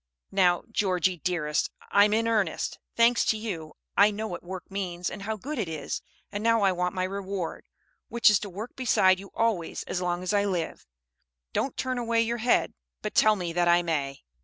"Now, Georgie, dearest, I'm in earnest. Thanks to you, I know what work means and how good it is. And now I want my reward, which is to work beside you always as long as I live. Don't turn away your head, but tell me that I may."